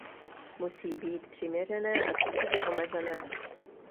Musí být přiměřené a časově omezené.